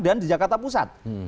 dan di jakarta pusat